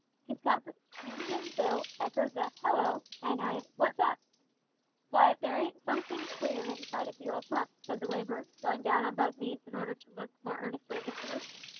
His companion Bill echoed the "Hallo!" and added "What's up?" "W'y, if there ain't somethink queer inside of the old pump," said the labourer, going down on both knees in order to look more earnestly into it.